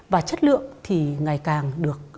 và chất lượng thì ngày càng được